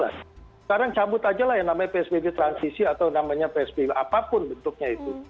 sekarang cabut aja lah yang namanya psbb transisi atau namanya psbb apapun bentuknya itu